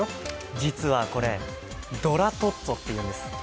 実はこれ、どらトッツォっていうんです。